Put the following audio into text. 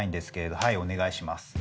はいお願いします。